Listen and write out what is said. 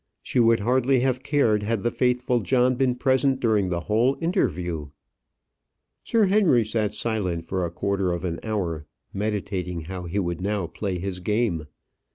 She would hardly have cared had the faithful John been present during the whole interview. Sir Henry sat silent for a quarter of an hour, meditating how he would now play his game.